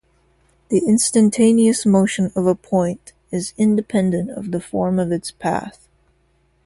The instantaneous motion of a point is independent of the form of its path.